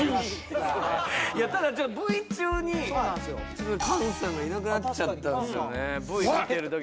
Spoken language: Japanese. いいただＶ中に菅さんがいなくなっちゃったんですよねあっ！